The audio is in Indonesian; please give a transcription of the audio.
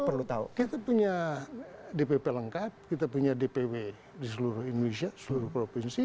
perlu tahu kita punya dpp lengkap kita punya dpw di seluruh indonesia seluruh provinsi